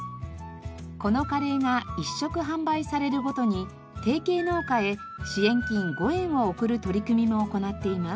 このカレーが１食販売されるごとに提携農家へ支援金５円を送る取り組みも行っています。